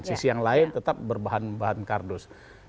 sisi yang lain tetap berbahan bahan kardus